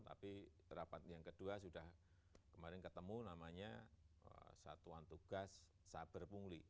tapi rapat yang kedua sudah kemarin ketemu namanya satuan tugas saber pungli